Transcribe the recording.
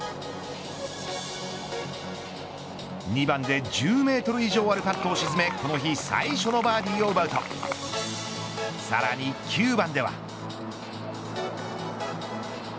２番で１０メートル以上あるパットを沈めこの日最初のバーディーを奪うとさらに９番では。